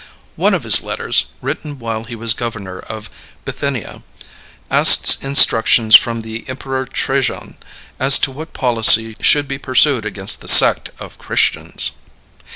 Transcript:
One of his letters, written while he was Governor of Bithynia, asks instructions from the Emperor Trajan as to what policy should be pursued against the sect of Christians.